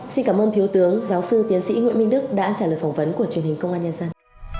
xin cảm ơn thiếu tướng giáo sư tiến sĩ nguyễn minh đức đã trả lời phỏng vấn của truyền hình công an nhân dân